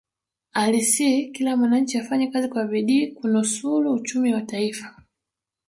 alisihi kila mwananchi afanye kazi kwa bidii kunusulu uchumi wa taifa